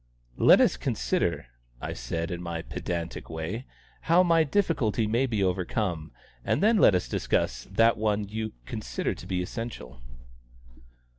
"Let us consider," I said, in my pedantic way, "how my difficulty may be overcome, and then let us discuss that one you consider to be essential."